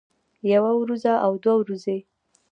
يوه وروځه او دوه ورځې